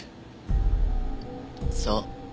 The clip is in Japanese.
そう。